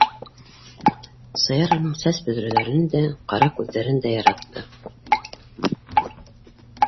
Саяр уның сәс бөҙрәләрен дә, ҡара күҙҙәрен дә яратты.